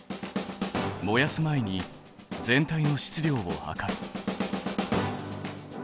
燃やす前に全体の質量を量る。